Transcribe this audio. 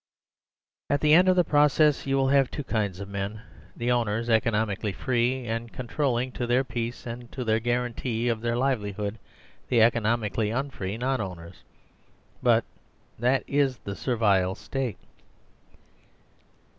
At the end of the process you will have two kinds of men, the owners economically free, and control ling to their peace and to the guarantee of their liveli hood the economically unfree non owners. But that is the Servile State.